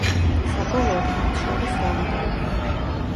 საბოლოოდ მათ შორის ზავი დაიდო.